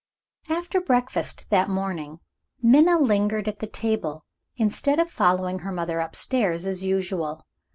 After breakfast that morning, Minna lingered at the table, instead of following her mother upstairs as usual.